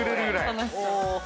楽しそう。